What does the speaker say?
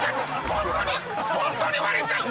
ホントにホントに割れちゃう！